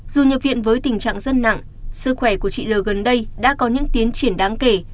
dù nhập viện với tình trạng rất nặng sức khỏe của chị l gần đây đã có những tiến triển đáng kể